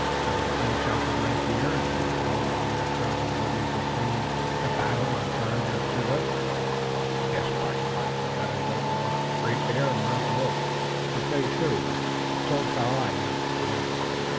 Shall we finish out the night here, and then follow on their trail until we can bring 'em to battle on terms that suit us?" "Yes, Black Rifle. That is what the Great Bear and the Mountain Wolf would say too, and so I shall not awake them.